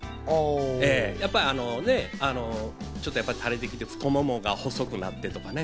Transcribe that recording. やっぱりちょっとたれてきて、太腿が細くなってね。